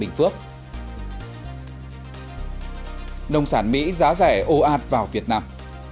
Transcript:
nông sản mỹ giá rẻ ô ạt vào việt nam